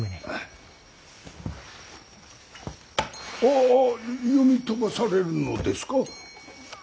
おお読み飛ばされるのですか。